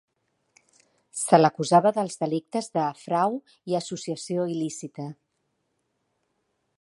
Se l'acusava dels delictes de frau i associació il·lícita.